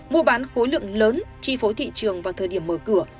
mua bán khối lượng lớn chi phối thị trường vào thời điểm mở cửa